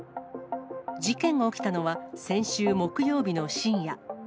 事件が起きたのは、先週木曜日の深夜。